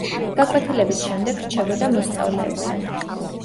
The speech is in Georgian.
გაკვეთილების შემდეგ რჩებოდა მოსწავლეებთან.